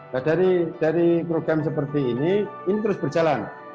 nah dari program seperti ini ini terus berjalan